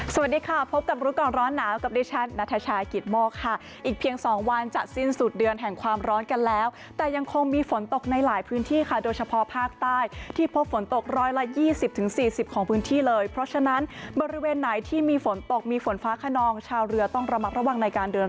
สวัสดีค่ะพบกับรู้ก่อนร้อนหนาวกับดิฉันนัทชายกิตโมกค่ะอีกเพียงสองวันจะสิ้นสุดเดือนแห่งความร้อนกันแล้วแต่ยังคงมีฝนตกในหลายพื้นที่ค่ะโดยเฉพาะภาคใต้ที่พบฝนตกร้อยละยี่สิบถึงสี่สิบของพื้นที่เลยเพราะฉะนั้นบริเวณไหนที่มีฝนตกมีฝนฟ้าขนองชาวเรือต้องระมัดระวังในการเดิน